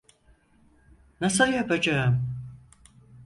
Nasıl yapacağım?